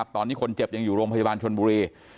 ตอนนี้คนเจ็บอยู่รวมพฤบาลชนบุรี